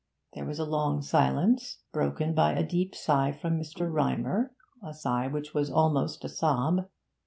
There was a long silence, broken by a deep sigh from Mr. Rymer, a sigh which was almost a sob.